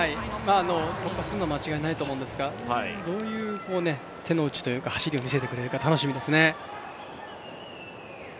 突破するのは間違いないと思うんですが、どういう手の内というか、走りを見せてくれるか楽しみですね。